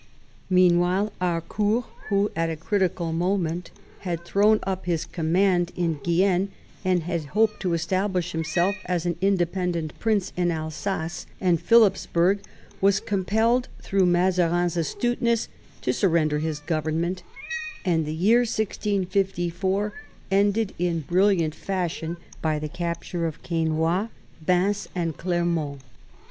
Meanwhile Harcourt, who at a critical moment had thrown up his command in Guienne, and had hoped to establish himself as an independent prince in Alsace and Philipsburg, was com pelled, through Mazarin's astuteness, to surrender his government ; and the year 1654 ended in brilliant fashion by the capture of Quesnoi, Binche, and Clermont.